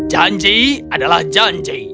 janji adalah janji